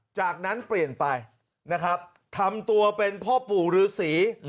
จากนั้นเปลี่ยนไปนะครับทำตัวเป็นพ่อปู่ฤษี